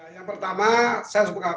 yang pertama saya